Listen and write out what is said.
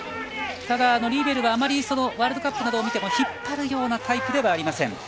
ただ、リーベルはあまりワールドカップなどを見ても引っ張るようなタイプではありません。